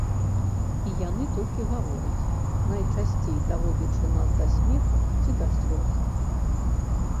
І яны толькі гавораць, найчасцей даводзячы нас да смеху ці да слёз.